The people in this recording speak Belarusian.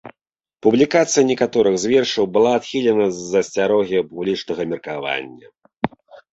Публікацыя некаторых з вершаў была адхілена з-за асцярогі публічнага меркавання.